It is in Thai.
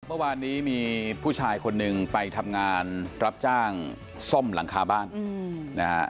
เมื่อวานนี้มีผู้ชายคนหนึ่งไปทำงานรับจ้างซ่อมหลังคาบ้านนะฮะ